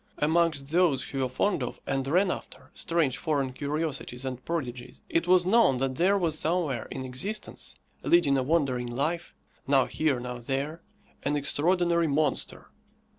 Amongst those who were fond of, and ran after, strange foreign curiosities and prodigies, it was known that there was somewhere in existence, leading a wandering life, now here, now there, an extraordinary monster.